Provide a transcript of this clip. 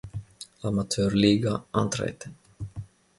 Amateurliga antreten.